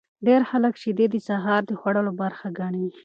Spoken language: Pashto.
ډیر خلک شیدې د سهار د خوړلو برخه ګڼي.